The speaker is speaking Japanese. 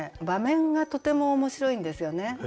場面がとても面白いんですよね。